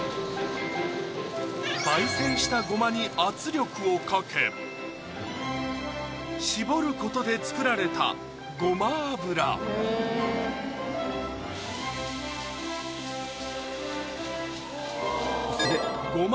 焙煎したごまに圧力をかけ搾ることで作られたごま油ごま